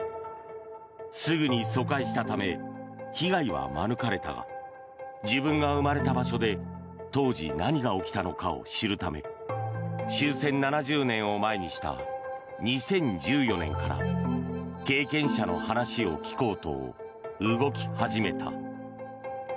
すぐに疎開したため被害は免れたが自分が生まれた場所で当時何が起きたのかを知るため終戦７０年を前にした２０１４年から経験者の話を聞こうと動き始めた。